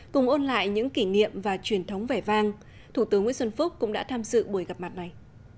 cùng ôn lại những kỷ niệm và truyền thống vẻ vang thủ tướng nguyễn xuân phúc cũng đã tham dự buổi gặp mặt này